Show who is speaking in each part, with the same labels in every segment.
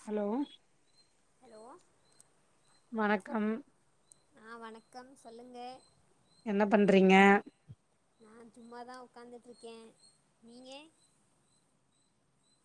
Speaker 1: Hello
Speaker 2: hello
Speaker 1: வணக்கம்
Speaker 2: ஆஹ் வணக்கம் சொல்லுங்க
Speaker 1: என்ன பண்றீங்க
Speaker 2: நான் சும்மாதான் உக்காந்துட்டு இருக்கேன் நீங்க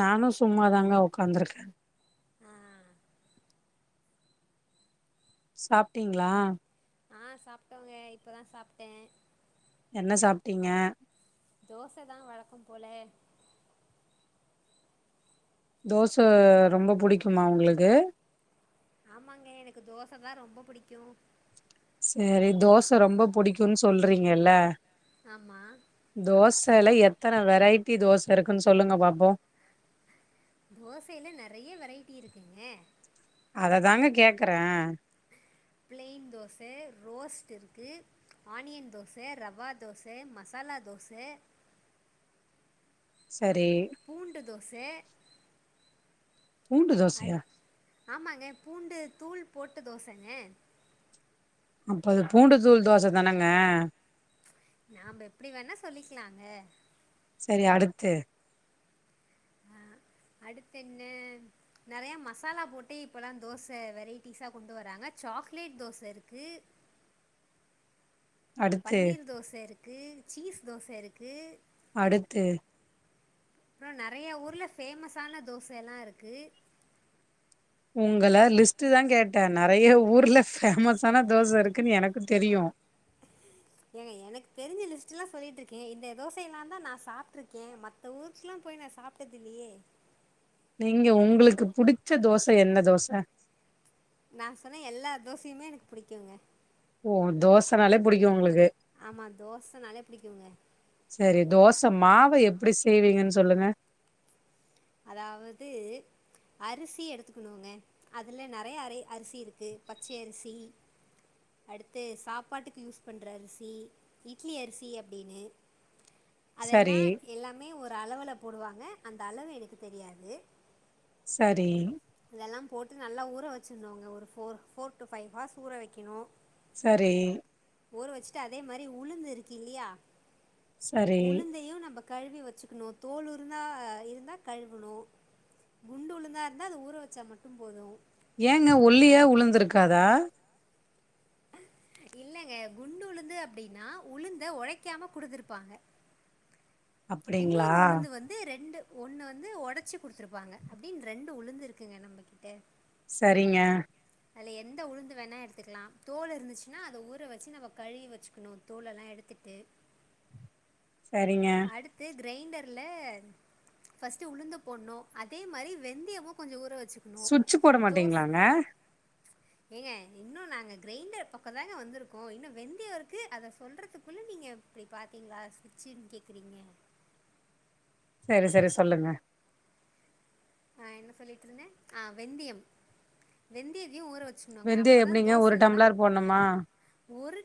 Speaker 1: நானும் சும்மாதாங்க உக்காந்துருக்கேன்
Speaker 2: உஹம்
Speaker 1: சாப்பிட்டீங்களா
Speaker 2: ஆஹ் சாப்பிட்டோங்க இப்பதான் சாப்பிட்டேன்
Speaker 1: என்ன சாப்பிட்டீங்க
Speaker 2: தோசை தான் வழக்கம் போல
Speaker 1: தோசை ரொம்ப புடிக்குமா உங்களுக்கு
Speaker 2: ஆமாங்க எனக்கு தோசை தான் ரொம்ப பிடிக்கும்
Speaker 1: சேரி தோசை ரொம்ப புடிக்கும் சொல்றீங்கல்ல
Speaker 2: ஆமா
Speaker 1: தோசையில எத் எத்தனை வெரைட்டி தோசை இருக்குன்னு சொல்லுங்க பாப்போம்
Speaker 2: தோசையில நெறைய வெரைட்டி இருக்குங்க
Speaker 1: அத தாங்க கேக்குறேன்
Speaker 2: பிளைின் தோச ரோஸ்ட் இருக்கு ஆனியன் தோச ரவா தோச மசாலா தோச
Speaker 1: சரி
Speaker 2: ச
Speaker 1: பூண்டு தோசையா
Speaker 2: ஆமாங்க பூண்டு தூள் போட்டு தோசங்க
Speaker 1: அப்பது பூண்டு தூள் தோச தானங்க
Speaker 2: நாம்ப எப்படி வேண்ணா சொல்லிக்கலாங்க
Speaker 1: செரி அடுத்து
Speaker 2: அஹ் அடுத்த என்ன நெறைய மசாலா போட்டு இப்பல்லாம் தோச வெரைட்டிஸா கொண்டு வராங்க சாக்லேட் தோச இருக்கு
Speaker 1: அடுத்து
Speaker 2: பன்னீர் தோச இருக் க்கு சீஸ் தோச இருக்கு
Speaker 1: அடுத்து
Speaker 2: அப்புறம் நெறய ஊர்ல பேமஸ் ஆன தோச எல்லா இருக்கு
Speaker 1: உங்கள லிஸ்டு தான் கேட்ட நறைய ஊர்ல பேமஸ்ஸான தோச இருக்குன்னு எனக்கும் தெரியும்
Speaker 2: ஏங்க எனக்கு தெரிஞ்ச லிஸ்ட்டுல்லாம் சொல்லிட்டு இருக்கேன் இந்த தோச எல்லாம் தான் நா சாப்பிட்டு இருக்கேன் மத்த ஊர்க்குல்லாம் போய் நா சாப்பிட்டது இல்லையே
Speaker 1: நீங்க உங்களுக்கு புடிச்ச தோச என்ன தோச
Speaker 2: நா சொன்னே எல்லா தோசையுமே எனக்கு புடிக்குங்க
Speaker 1: ஓ தோச நாலே புடிக்கும் உங்களுக்கு
Speaker 2: ஆமா தோசஸ் நாலே பிடிக்குங்க
Speaker 1: சரி தோசமாவு எப்படி செய்வீங்கன்னு சொல்லுங்க
Speaker 2: அதாவது அரிசி எடுத்துக்கணுங்க அதுல நறைய அரை அரிசி இருக்கு பச்ச அரிசி அடுத்து சாப்பாட்டுக்கு யூஸ் பண்ற அரிசி இட்லி அரிசி அப்டின்னு
Speaker 1: சரி
Speaker 2: அதெல்லாம் எல்லாமே ஒரு அளவுல போடுவாங் னே அந்த அளவு எனுக் குத் தெரியாது
Speaker 1: சரி
Speaker 2: இதெல்லாம் போட்டு நல்லா ஊற வச்சிருந்தாங்க ஒரு போர் போர் டு பைவ்ஹர்ஸ் ஊற வைக்கணும்
Speaker 1: சரி
Speaker 2: ஒருவச்சுட்டு அதே மாரி உளுந்து இருக்கி இல்லையா
Speaker 1: சரி
Speaker 2: உளுந்தையும் நம்மபக் கழுவி வச்சுக்கணும் தோல் ருந்தால் இருந்தால் கழுவணும் குண்டு உளுந்தா இருந்தால் அது ஊற வச்சா மட்டும் போதும்
Speaker 1: ஏங்க ஒல்லியா உளுந்து ருக்காதா
Speaker 2: இல்லைங்க குண்டு உளுந்து அப்படின்னா உளுந்த உழைக்காம குடுத்துருப்பாங்க
Speaker 1: அப்டிங்களா
Speaker 2: இன்னொரு உளுந்து வந்து ரெண்டு ஒண்ணு வந்து உடைச்சு குடுத்துருப்பாங்க அப்படின்னு ரெண்டு உளுந்து இருக்குங்க நம்மகிட்ட
Speaker 1: சரிங்க
Speaker 2: அல எந்த உளுந்து வேணா எடுத்துக்கலாம் தோல் இருந்துச்சுன்னா அதை ஊற வச்சி நம்ம கழுி வச்சுக்கணும் தோல் எல்லாம் எடுத்துட்டு
Speaker 1: சரிங்க
Speaker 2: கிரைண்டர்ல பஸ்டு உளுந்து போட்ணும் அதே மாரி வெந்தயமும் கொஞ்சம் ஊற வ
Speaker 1: சுவிட்ச்சு போட மாட்டீங்களாங்க
Speaker 2: ஏங்க இன்னும் நாங்க கிரைண்டர் பக்கத்தாங்க வந்திருக்கோம் இன்னும் வெந்தியம் இருக்கு அத சொல்றதுக்குள்ள நீங்க இப்படி பாத்தீங்களாவிட்சுன்னு கே சரிங்க
Speaker 1: சேரி சேரி சொல்லுங்க
Speaker 2: ஆஹ் என்ன சொல்லிட்டு இருந்தேன் ஆஹ் வெந்தியம் வெந்தியத்தையும் ஊரவச்சி
Speaker 1: வெந்தியம் எப்படிங்க ஒரு டம்ளர் போணுமா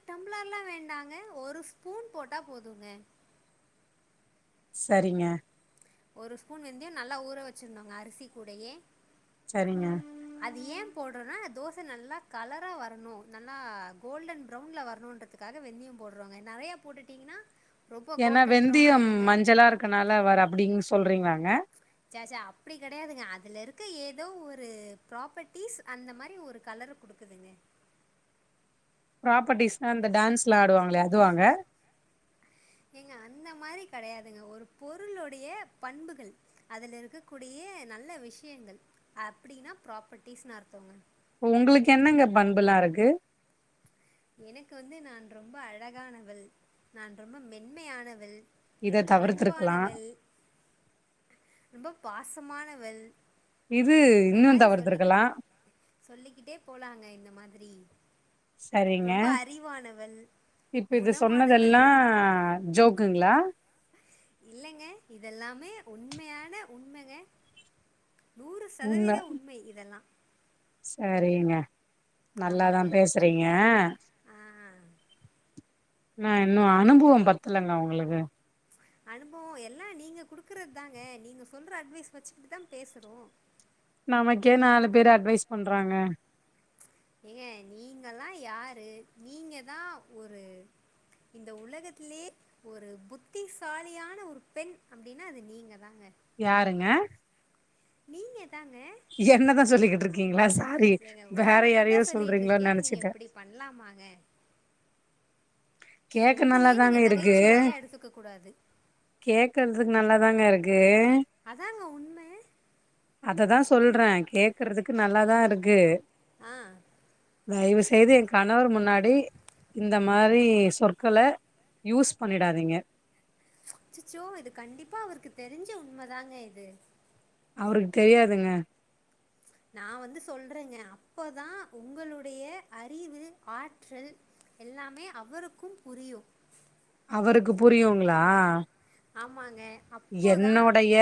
Speaker 2: டம்ளர் எல்லாம் வேண்டாங்க ஒரு ஸ்பூன் போட்டா போதுங்க.
Speaker 1: சேரிங்க.
Speaker 2: ஒரு ஸ்பூன் வெந்தியம் நல்லா ஊற வச்சிருந்தோங்க அரிசி கூடையே.
Speaker 1: சேரிங்க.
Speaker 2: அது ஏன் போடுறோனா தோச நல்லா கலரா வரணும் நல்லா கோல்டன் ப்வுன்ல வரணும்ன்றதுக்காக வெந்தயம் போடுறவாங்க நறைய போட்டுட்டீங்கன்னா.
Speaker 1: ஏன்னா வெந்தியம் மஞ்சளா இருக்கனால வர அப்டின்னு சொல். சொல்றீங்களாங்க.
Speaker 2: சேச்சே அப்படி கிடையாதுங்க அதுல இருக்க ஏதோ ஒரு ப்ராப்பர்டிஸ் அந்த மாரி ஒரு கலரு குடுக்குதுங்க.
Speaker 1: ப்ராப்பர்ட்டிஸ்னா அந்த டான்ஸ்லா ஆடுவாங்கள அதுவாங்க.
Speaker 2: ஏங்க அந்த மாரி கெடையாதுங்க. ஒரு பொருளுடைய பண்புகள் அதுல இருக்கக்கூடிய நல்ல விஷயங்கள் அப்படின்னா ப்ராப்பர்ட்டிஸ்னுு அர்த்தோங்க.
Speaker 1: உங்களுக்கு என்னங்க பண்புலாம் இருக்கு.
Speaker 2: எனக்கு வந்து நான் ரொம்ப அழகானவள் நான் ரொம்ப மென்மையானவள்.
Speaker 1: இத தவிர்த்திருக்கலா.
Speaker 2: பண்பானவள் பாசமானவல்.
Speaker 1: இது
Speaker 2: இந்த
Speaker 1: இன்னு
Speaker 2: மாரி
Speaker 1: தவிர்த்திருக்கலா
Speaker 2: சொல்லிக்கிட்டு சொல்லிக்கிட்டே போலாங்க இந்த மாதிரி.
Speaker 1: சரிங்க
Speaker 2: ரொம்ப அறிவானவள்
Speaker 1: இப்ப இது
Speaker 2: குணமானவள்.
Speaker 1: சொன்னதெல்லா ஜோக்குங்களா
Speaker 2: இல்லைங்க இதெல்லாமே உண்மையான உண்மங்க. நூறு சதவீத உண்மை இதெல்லா.
Speaker 1: சேரிங்க.
Speaker 2: ஆமாங்க
Speaker 1: நல்லாதான் பேசுறீங்க.
Speaker 2: ஆ
Speaker 1: நான் இன்னும் அனுபவம் பத்துலங்க உங்களுக்கு.
Speaker 2: அனுபவம் எல்லாம் நீங்க குடுக்குறது தாங்க நீங்க சொல்ற அட்வைஸ் வச்சுட்டு தான் பேசுறோ.
Speaker 1: நமக்கே நாலு பேரு அட்வைஸ் பண்றாங்க.
Speaker 2: ஏங்க நீங்க எல்லா யாரு நீங்கதா ஒரு இந்த உலகத்திலயே ஒரு புத்திசாலியான ஒரு பெண் அப்படின்னா அது நீங்க தாங்க.
Speaker 1: யாருங்க.
Speaker 2: நீங்க. தாங்க
Speaker 1: என்னதான் சொல்லிக்கிட்டு இருக்கீங்களா சாரி
Speaker 2: ஏங்க
Speaker 1: வேற
Speaker 2: உங்கள பத்தா
Speaker 1: யாரையோ சொல்றீங்களோ
Speaker 2: சொல்லிட்ருக்கே நீங்க
Speaker 1: நனைச்சிட்டே.
Speaker 2: இப்டி பண்லாமாங்க
Speaker 1: கேக்க
Speaker 2: உங்களயே நீங்க
Speaker 1: நல்லாதாங்க இருக்கு.
Speaker 2: நகைச்சுவையா எடுத்துக்க கூடாது
Speaker 1: கேக்குறதுக்கு நல்லாதா. தாங்க இருக்கு. கு
Speaker 2: அதாங்க உண்ம
Speaker 1: அதுதா. சொல்ற கேட்குறதுக்கு நல்லாதா இருக்கு.
Speaker 2: ஆ
Speaker 1: தயவுசெய்து என் கணவர் முன்னாடி. மாரி இந்த மாரி. இந்த மாரி சொற்கள யூஸ் பண்ணிடாதீங்க.
Speaker 2: அச்சச்சோ இது கண்டிப்பா அவருக்கு தெரிஞ்சு உண்மதாங்க இது.
Speaker 1: அவருக்கு தெரியாதுங்க.
Speaker 2: நான் வந்து சொல்றேங்க அப்பதா உங்களுடைய அறிவு, ஆற்றல் எல்லாமே அவருக்கும் புரியும்.
Speaker 1: அவருக்கு புரியுங்களா.
Speaker 2: ஆமாங்க. அப்போதா
Speaker 1: என்னோடைய.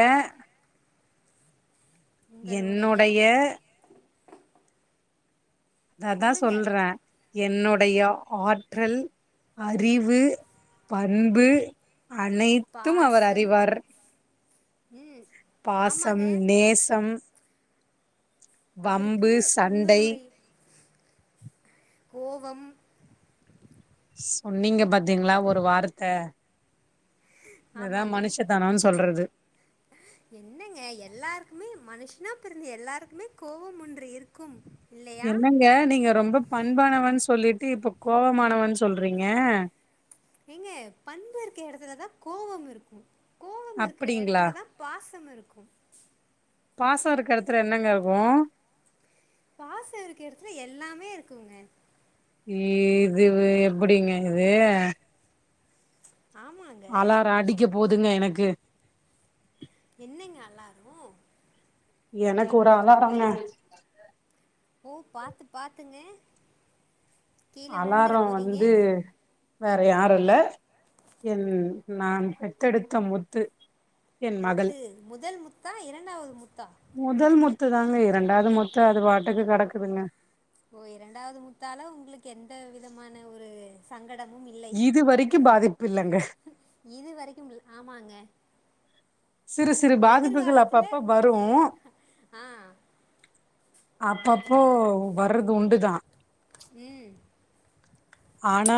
Speaker 2: உங்களுடைய
Speaker 1: என்னோடைய. அதான்
Speaker 2: சொல்லுங்க
Speaker 1: சொல்றன் என்னோடைய ஆற்றல் அறிவு பண்பு அனைத்தும் அவர்
Speaker 2: பாசம்
Speaker 1: அறிவார்
Speaker 2: ம் ஆமாங்க
Speaker 1: பாசம் நேசம்
Speaker 2: அவருக்கு
Speaker 1: வம்பு சண்டை
Speaker 2: உங்களுடைய கோவம்
Speaker 1: சொன்னீங்க பாத்தீங்களா ஒரு வார்த்த இதுதா
Speaker 2: ஆமாங்க
Speaker 1: மனுஷத்தனோன்னு சொல்றது
Speaker 2: என்னங்க எல்லாருக்குமே மனுஷ் னா பிறந்து எல்லாருக்குமே கோவம் ஒன்று இருக்கும் இல்லையா
Speaker 1: என்னங்க நீங்க ரொம்ப பண்பானவ சொல்லிட் இப்ப கோவ மாணவன்னு சொல்றீங்க
Speaker 2: ஏங்க பண்புற்க இடத்துலதான் கோவம் இருக்கும் கோவம் இருக்கிற
Speaker 1: அப்டிங்களா
Speaker 2: இடத்துலதான் பாசம் இருக்கும்
Speaker 1: பாசம் இருக்க இடத்துல என்னங்க இருக்கும்
Speaker 2: பாச இருக்க இடத்துல எல்லாமே இருக்குங்க
Speaker 1: இதுவு எப்டிங்க இது
Speaker 2: ஆமாங்க
Speaker 1: அலார அடிக்க போதுங்க எனக்கு க்கு
Speaker 2: என்னங்க அலாரம்
Speaker 1: எனக்கு ஒரு அலாரங்க
Speaker 2: ஓ பாத்து பாத்துங்க
Speaker 1: அலாரம் வந்து வேற யாரு இல்ல என் நான் பெத்தெடுத்த முத்து என் மகள்
Speaker 2: முத்து முதல் முத்தா இரண்டாவது முத்தா
Speaker 1: முதல் முத்து தாங்க இரண்டாவது முத்து அது பாட்டுக்கு கெடக்குதுங்க
Speaker 2: ஓ இரண்டாவது முத்தால உங்களுக்கு எந்த விதமான ஒரு சங்
Speaker 1: இது வரைக்கும் பாதிப்
Speaker 2: இது வரைக்கும் உங்களுக்கு ஆம் மாங்க
Speaker 1: சிறு சிறு பாதிப்புகள் அப்பப்ப வரும்
Speaker 2: ஆ
Speaker 1: அப்பப்போ வர்றது உண்டுதான்
Speaker 2: உம்
Speaker 1: ஆனா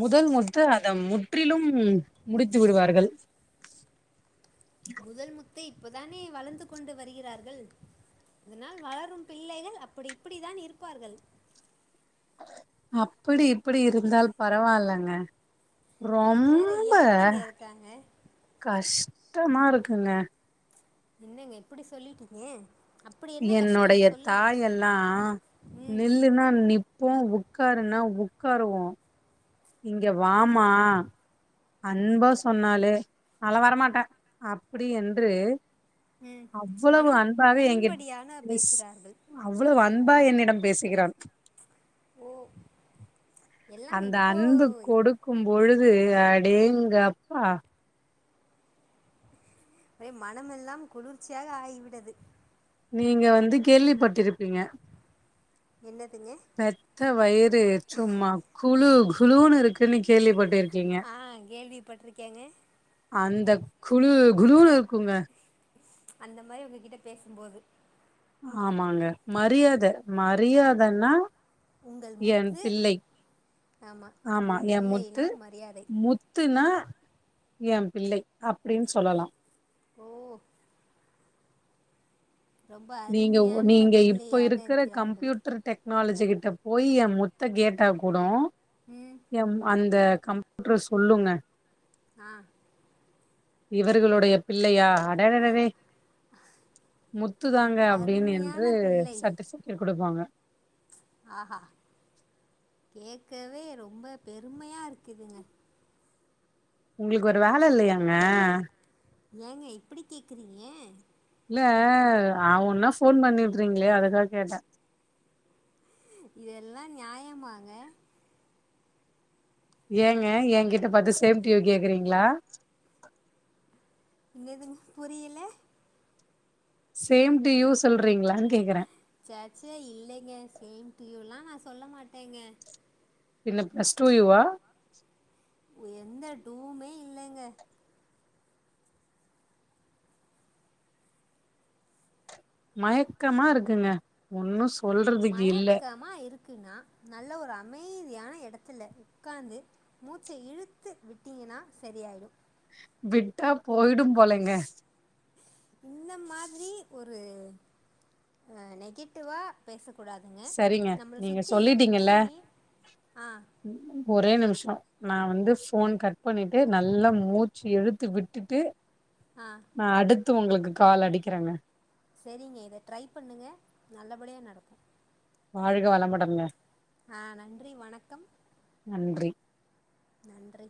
Speaker 1: முதல் முத்து அதை முற்றிலும் முடித்து விடுவார்கள்
Speaker 2: முதல் முத் து இப்பதானே வளர்ந்து கொண்டு வருகிறார்கள் இதனால் வளரும் பிள்ளைகள் அப்படி இப்படி தான் இருப்பார்கள்
Speaker 1: அப்படி இப்படி இருந்தால் பரவாயில்லங்க
Speaker 2: வேற
Speaker 1: ரொம்ப
Speaker 2: எப்படிங்க இருக்காங்க
Speaker 1: கஷ் ட்மா இருக்குங்க
Speaker 2: என்னங்க இப்படி சொல்லிட்டீங்க அப்படி என்ன கஷ்டம்
Speaker 1: என்னுடைய
Speaker 2: சொல்லுங்க
Speaker 1: தாய் எல்லா
Speaker 2: ம்
Speaker 1: நில்லுன்னா நிப் இப்போ உட்காருன்னா உட்காருவோம் இங்க வாமா அன்பா சொன்னலே அல்லா வரமாட்டேன் அப்படி என்று
Speaker 2: ம்
Speaker 1: அவ்வளவு
Speaker 2: மனம்
Speaker 1: அன்பாக எங்கிட்
Speaker 2: புண்படியான
Speaker 1: பேசு
Speaker 2: பேசுகிறார்கள்
Speaker 1: அவ்வளவு அன்பா என்னிடம் பேசு திக்கிறான்
Speaker 2: ஒ
Speaker 1: அந்த அன்பு கொடுக்கும் பொழு அது அடேங்கப்பா
Speaker 2: ஒரே மனம் எல்லாம் குளிர்ச்சியாக ஆயிவிடது
Speaker 1: நீங்க வந்து கேள்விப்பட்டிருப்பீங்க
Speaker 2: என்னதுங்க
Speaker 1: பெத்த வயிறு சும்மா குலு குலூனு இருக்கு இன்னிக்கு
Speaker 2: ஆஹ் கேள்விப்பட்டிருக்கேங்க
Speaker 1: அந்த குழு குலுனு இருக்குங்க
Speaker 2: அந்த மாரி உங்ககிட்ட பேசும்போது
Speaker 1: ஆமாங்க மரியாதை மரியாதைன்னா
Speaker 2: உங்கள்
Speaker 1: என்
Speaker 2: முத்து
Speaker 1: பிள்ளை
Speaker 2: ஆமாம்
Speaker 1: ஆமா
Speaker 2: உங்கள்
Speaker 1: என் முத்து
Speaker 2: பிள்ளையினால் மரியாதை
Speaker 1: முத்துன்னா என் பிள்ளை அப்படின்னு சொல்லலாம்
Speaker 2: ஓ ரொம்ப
Speaker 1: நீங்க
Speaker 2: அருமையான
Speaker 1: நீங்க இப்ப
Speaker 2: பிள்ளையாக
Speaker 1: இருக்கிற
Speaker 2: இருக்கிறார்கள்
Speaker 1: கம்ப்யூட்டர் டெக்னாலஜி த்து கிட்ட போய் என் முத்த கேட்டா கூடோ
Speaker 2: ம்
Speaker 1: எம் அந் இந்த கம்ப்யூட்டரு சொல்லுங்க
Speaker 2: ஆஹ்
Speaker 1: இவர்களுடைய பிள்ளையா அடடடடே முத் முத்து தாங்க அப்படின்னு என்று
Speaker 2: அருமையான பிள்ளை
Speaker 1: சத்த சைக்கிள் குடு இருப்பாங்க
Speaker 2: ஆஹா கேட்கவே ரொம்ப பெருமையா இருக்குதுங்க
Speaker 1: உங்களுக்கு வேற வேலை இல்லையாங்க
Speaker 2: ஏங்க இப்படி கேக்குறீங்க
Speaker 1: இல்ல ஆவுன்னா ஃபோன் பண்ணிட்டுறீங்களே. அதுக்காக கேட்டேன்
Speaker 2: இதெல்லாம் நியாயமாங்க
Speaker 1: ஏங்க என் கிட்ட பாத்து சேம்டியூ கேக்குறீங்களா
Speaker 2: என்னதுங்க புரியல
Speaker 1: சேம் டு யூ சொல்றீங்ளா
Speaker 2: சேச்ச இல்லைங்க சேம்டியூலா நா சொல்ல மாட்டேங்க
Speaker 1: என்ன ப்ளஸ் டூ யூ வா
Speaker 2: எந்த டூமே இல்லங்க
Speaker 1: மயக்கமா இருக்குங்க ஒன்னு சொ சொல்றதுக்கில்ல
Speaker 2: குன்னா நல்ல ஒரு அமைதியான எடத்துல உக்காந்து மூச்ச இழுத்து விட்டீங்கனா சரியாயிடு
Speaker 1: விட்டா போயிடும் போலங்க
Speaker 2: இந்த மாதிரி ஒரு அ நெகட்டிவா பேச கூடாதுங்க
Speaker 1: சரிங்க
Speaker 2: நம்மள
Speaker 1: நீங்க
Speaker 2: சுத்தி
Speaker 1: சொல்லிட்டீங்கல்ல
Speaker 2: எப்பயுமே ஆ
Speaker 1: ஒரே நிமிஷொ நா வந்து ஃபோன் கட் பண்ணிட்டு நல்லா மூச்சு இழுத்து விட்டுட்டு
Speaker 2: ஆ
Speaker 1: நா அடுத் து உங்களுக்கு கால் அடிக்கிறேங்க
Speaker 2: செரிங்க இத ட்ரை பண்ணுங்க நல்லபடியா நடக்கு
Speaker 1: வாழ்க வளமுடன்ங்க
Speaker 2: ஆ நன்றி வணக்கம்
Speaker 1: நன்றி
Speaker 2: நன்றி